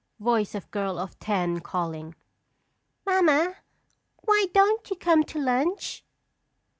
_] Voice of Girl of Ten, calling: Mamma, why don't you come to lunch?